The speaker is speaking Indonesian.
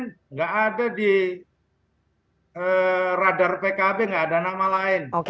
tidak ada di radar pkb nggak ada nama lain